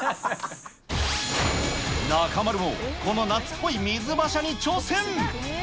中丸もこの夏っぽい水バシャに挑戦。